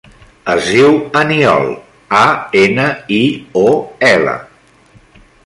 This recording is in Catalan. Es diu Aniol: a, ena, i, o, ela.